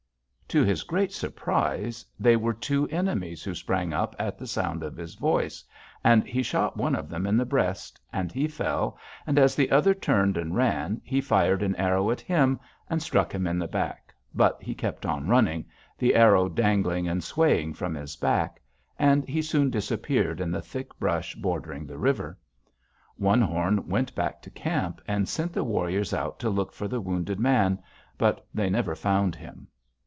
"To his great surprise they were two enemies, who sprang up at the sound of his voice, and he shot one of them in the breast, and he fell, and as the other turned and ran, he fired an arrow at him and struck him in the back, but he kept on running, the arrow dangling and swaying from his back, and he soon disappeared in the thick brush bordering the river. One Horn went back to camp and sent the warriors out to look for the wounded man, but they never found him.